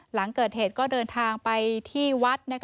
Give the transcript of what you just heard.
หลังเกิดเหตุก็เดินทางไปที่วัด